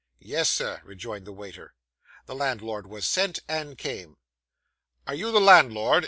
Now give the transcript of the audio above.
'Yes, sir,' rejoined the waiter. The landlord was sent, and came. 'Are you the landlord?